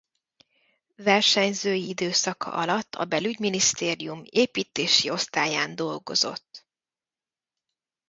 Versenyzői időszaka alatt a Belügyminisztérium építési osztályán dolgozott.